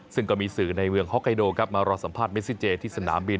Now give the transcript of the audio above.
ซึ่งก็มีสื่อในเมืองฮอกไกโดครับมารอสัมภาษเมซิเจที่สนามบิน